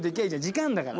時間あんだから。